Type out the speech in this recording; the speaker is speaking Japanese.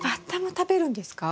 食べるんですよ。